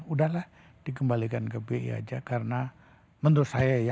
udahlah dikembalikan ke bi aja karena menurut saya ya